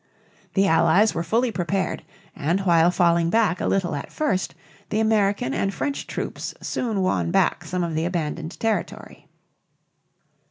The Allies were fully prepared, and while falling back a little at first, the American and French troops soon won back some of the abandoned territory.